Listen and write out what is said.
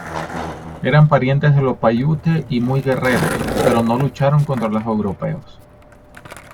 Eran parientes de los paiute y muy guerreros, pero no lucharon contra los europeos.